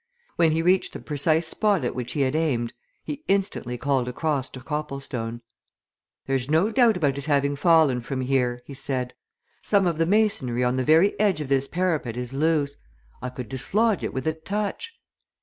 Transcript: When he reached the precise spot at which he had aimed, he instantly called across to Copplestone. "There's no doubt about his having fallen from here!" he said. "Some of the masonry on the very edge of this parapet is loose. I could dislodge it with a touch."